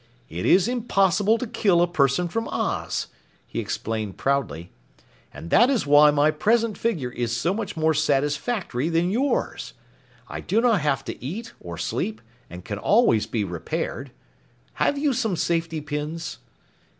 "It is impossible to kill a person from Oz," he explained proudly, "and that is why my present figure is so much more satisfactory than yours. I do not have to eat or sleep and can always be repaired. Have you some safety pins?"